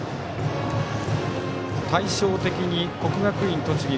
対照的に、国学院栃木